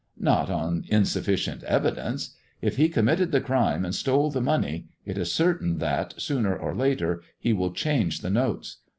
" Not on insufficient evidence ! If he committed the 3rime and stole the money it is certain that, sooner or later, he will change the notes.